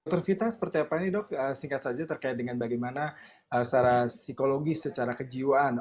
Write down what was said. dokter vita seperti apa ini dok singkat saja terkait dengan bagaimana secara psikologis secara kejiwaan